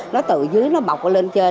nó từ dưới nó bọc lên trên